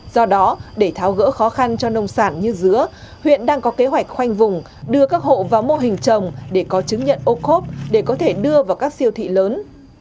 do đó để tháo gỡ khó khăn cho nông sản như dứa huyện đang có kế hoạch khoanh vùng đưa các hộ vào mô hình trồng để có chứng nhận ô khốp để có thể đưa vào các siêu thị lớn